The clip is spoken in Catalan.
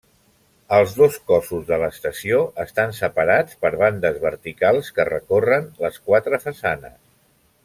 Els dos cossos de l'estació estan separats per bandes verticals que recorren les quatre façanes.